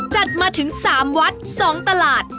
จัดมาถึง๓วัด๒ตลาด